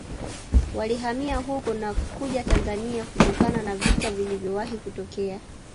Walihama huko na kuja Tanzania kutokana na vita vilivyowahi kutokea